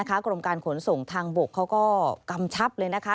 กรมการขนส่งทางบกเขาก็กำชับเลยนะคะ